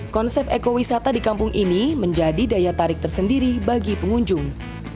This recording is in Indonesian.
konsep ekowisata di kampung ini menjadi daya tarik tersendiri bagi pengunjung